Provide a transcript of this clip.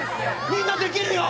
みんなできるよ！